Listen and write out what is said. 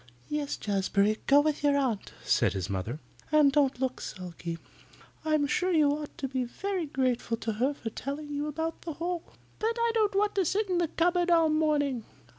"Yes, Jazbury. Go with your aunt," said his mother. "And don't look sulky. I'm sure you ought to be very grateful to her for telling you about the hole." "But I don't want to sit in the cupboard all morning.